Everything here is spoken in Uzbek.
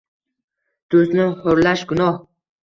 Do’stni ho’rlash-gunoh.